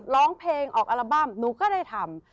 ร้องเพลงออกอัลบั้มหนูก็ได้ทำ